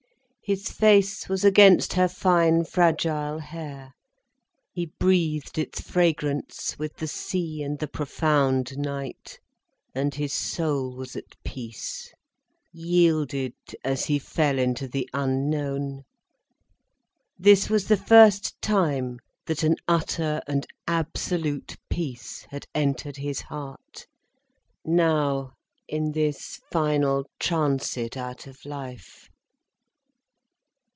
His face was against her fine, fragile hair, he breathed its fragrance with the sea and the profound night. And his soul was at peace; yielded, as he fell into the unknown. This was the first time that an utter and absolute peace had entered his heart, now, in this final transit out of life.